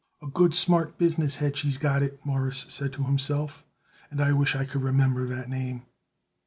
"A good, smart, business head she's got it," Morris said to himself, "and I wish I could remember that name."